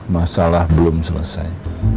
masalah belum selesai